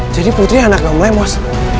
jadi putri anak lo mulai emos